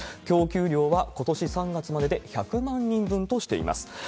供給量はことし３月までで１００万人分としています。